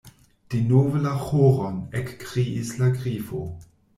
"Denove la ĥoron," ekkriis la Grifo.